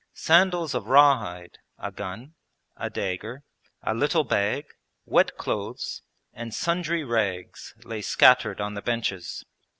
Sandals of raw hide, a gun, a dagger, a little bag, wet clothes, and sundry rags lay scattered on the benches.